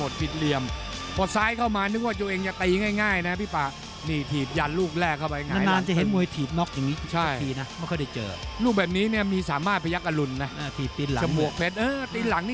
ดูเลยนะภาพกินตีตีนหลัง